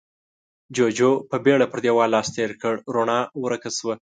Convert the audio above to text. جُوجُو په بيړه پر دېوال لاس تېر کړ، رڼا ورکه شوه.